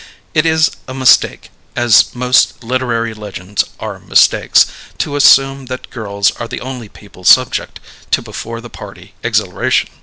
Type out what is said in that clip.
It is a mistake, as most literary legends are mistakes, to assume that girls are the only people subject to before the party exhilaration.